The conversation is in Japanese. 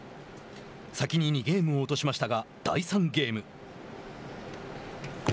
先に２ゲームを落としましたが第３ゲーム。